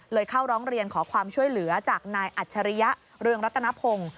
เข้าร้องเรียนขอความช่วยเหลือจากนายอัจฉริยะเรืองรัตนพงศ์